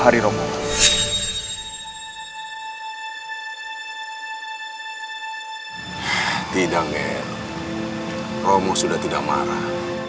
romo sudah tidak marah